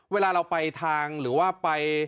เวลาเราไปทางหรือว่าไป